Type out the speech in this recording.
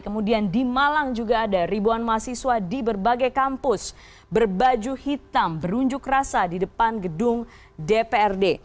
kemudian di malang juga ada ribuan mahasiswa di berbagai kampus berbaju hitam berunjuk rasa di depan gedung dprd